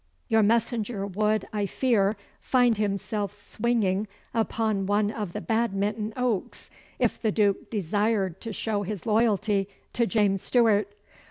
Your messenger would, I fear, find himself swinging upon one of the Badminton oaks if the Duke desired to show his loyalty to James Stuart.